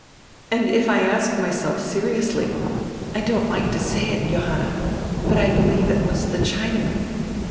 "And if I ask myself seriously — I don't like to say it, Johanna — but I believe it was die Chinaman."